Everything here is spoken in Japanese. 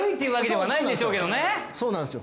そうなんですよ